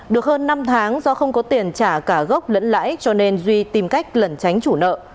được hơn năm tháng do không có tiền trả cả gốc lẫn lãi cho nên duy tìm cách lẩn tránh chủ nợ